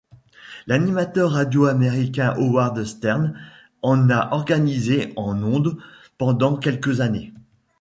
L'animateur radio américain Howard Stern en a organisé en ondes pendant quelques années.